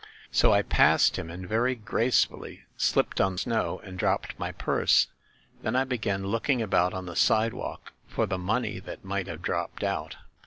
So I passed him, and very gracefully slipped on the snow and dropped my purse. Then I began looking about on the sidewalk for the money that might have dropped out.